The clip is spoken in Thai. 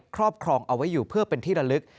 ครอบครองเอาไว้อยู่เพื่อเป็นที่ระลึก